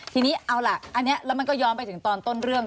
ทีนี้เอาล่ะอันนี้แล้วมันก็ย้อนไปถึงตอนต้นเรื่อง